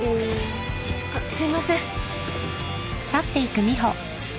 あっすいません。